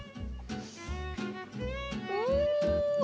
うん！